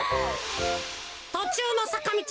とちゅうのさかみち